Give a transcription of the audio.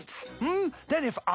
ん？